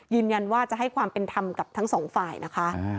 ยืนยันว่าจะให้ความเป็นธรรมกับทั้งสองฝ่ายนะคะ